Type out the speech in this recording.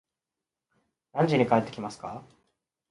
何時に帰ってきますか